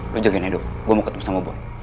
lo jagain hidup gue mau ketemu sama bon